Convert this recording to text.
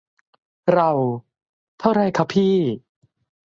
เรา : เท่าไรครับพี่